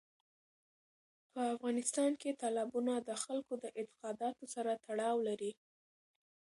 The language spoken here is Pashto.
په افغانستان کې تالابونه د خلکو د اعتقاداتو سره تړاو لري.